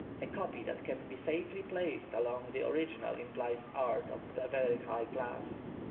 A copy that can safely be placed alongside the original implies art of a very high class.